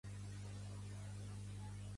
Pertany al moviment independentista l'Osbaldo?